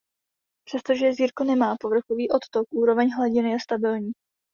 Přestože jezírko nemá povrchový odtok úroveň hladiny je stabilní.